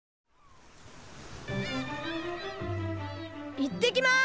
いってきます！